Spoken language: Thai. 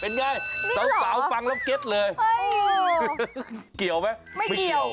เป็นไงสาวฟังแล้วเก็ตเลยเกี่ยวไหมไม่เกี่ยว